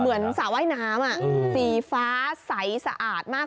สระว่ายน้ำสีฟ้าใสสะอาดมาก